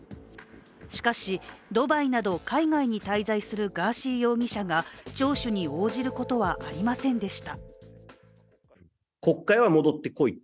しかし、ドバイなど海外に滞在するガーシー容疑者が聴取に応じることはありませんでした。